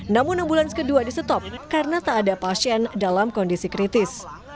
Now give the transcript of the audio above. namun ambulans kedua di stop karena tak ada pasien dalam kondisi kritis